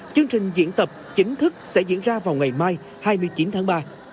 chương trình diễn tập chính thức sẽ diễn ra vào ngày mai hai mươi chín tháng ba